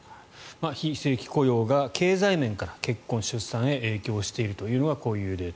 非正規雇用が経済面から結婚、出産へ影響しているというデータ。